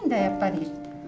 やっぱり。